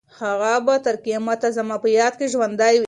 هغه به تر قیامته زما په یاد کې ژوندۍ وي.